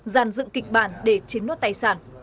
dàn dựng kịch bản để chiếm nốt tài sản